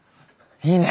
いいね。